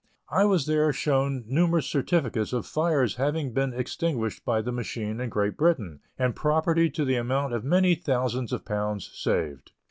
I was there shown numerous certificates of fires having been extinguished by the machine in Great Britain, and property to the amount of many thousands of pounds saved.